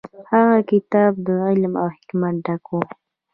هغه کتاب د علم او حکمت ډک و.